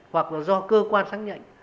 hoặc là do cơ quan xác nhận